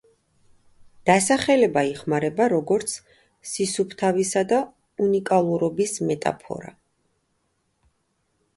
დასახელება იხმარება, როგორც სისუფთავისა და უნიკალურობის მეტაფორა.